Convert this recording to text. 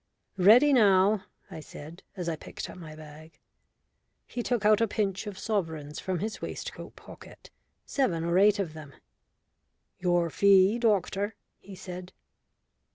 "Ready now," I said, as I picked up my bag. He took out a pinch of sovereigns from his waistcoat pocket, seven or eight of them. "Your fee, doctor," he said.